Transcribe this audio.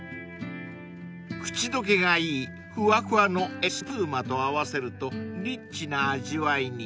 ［口溶けがいいふわふわのエスプーマと合わせるとリッチな味わいに］